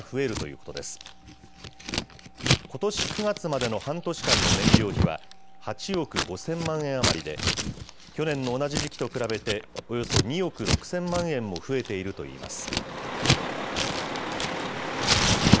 ことし９月までの半年間の燃料費は８億５０００万円余りで、去年の同じ時期と比べて、およそ２億６０００万円も増えているといいます。